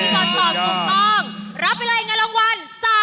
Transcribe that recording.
พี่บอลตอบกลุ่มต้องรับไปเลยงานรางวัล๓๐๐๐บาท